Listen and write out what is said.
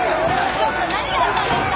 ちょっと何があったんですか？